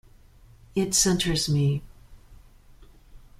It centers me.